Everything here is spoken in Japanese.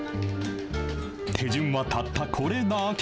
手順はたったこれだけ。